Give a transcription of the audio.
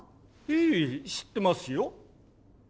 ええ知ってますよ。